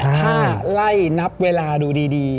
ถ้าไล่นับเวลาดูดี